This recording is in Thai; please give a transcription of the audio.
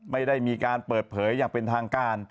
ไม่ได้มีการเปิดเผยอย่างเป็นทางการ